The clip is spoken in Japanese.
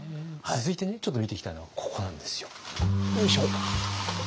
続いてちょっと見ていきたいのはここなんですよ。よいしょ。